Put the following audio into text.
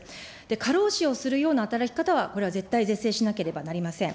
過労死をするような働き方は、これは絶対是正しなければなりません。